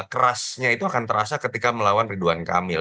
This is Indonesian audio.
kerasnya itu akan terasa ketika melawan ridwan kamil